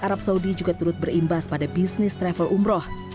arab saudi juga turut berimbas pada bisnis travel umroh